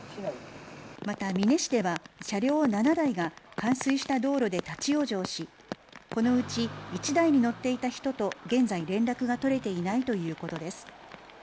また、美祢市では、車両７台が、冠水した道路で立往生し、このうち１台に乗っていた人と、現在連絡が取れていないということです。